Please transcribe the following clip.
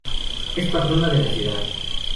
Es Patrona de la ciudad.